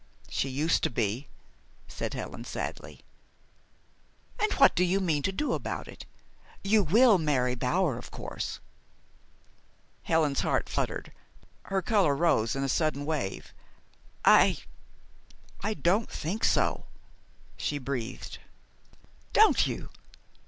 "She used to be," said Helen sadly. "And what do you mean to do about it? You will marry Bower, of course?" Helen's heart fluttered. Her color rose in a sudden wave. "I I don't think so," she breathed. "Don't you?